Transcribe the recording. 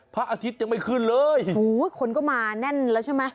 พระอาทิตย์ยังไม่ขึ้นเลยโอ้โหคนก็มาแน่นแล้วใช่ไหม